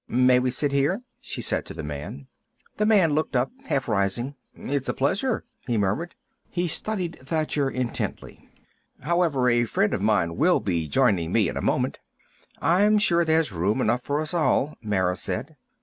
"May we sit here?" she said to the man. The man looked up, half rising. "It's a pleasure," he murmured. He studied Thacher intently. "However, a friend of mine will be joining me in a moment." "I'm sure there's room enough for us all," Mara said.